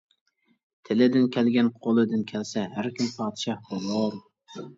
تىلىدىن كەلگەن قولىدىن كەلسە ھەركىم پادىشاھ بولۇر.